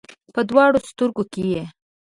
په دواړو سترګو کې یې